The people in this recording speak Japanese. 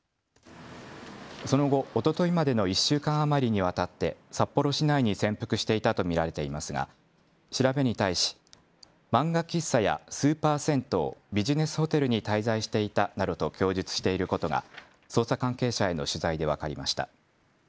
その後、おとといまでの１週間余りにわたって札幌市内に潜伏していたと見られていますが調べに対し漫画喫茶やスーパー銭湯、ビジネスホテルに滞在していたなどと供述していることが捜査関係者への取材で分かりました。